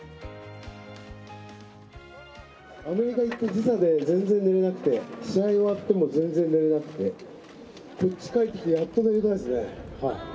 アメリカ行って、時差で全然寝られなくて、試合終わっても全然寝れなくて、こっち帰ってきて、やっと寝れたんですね。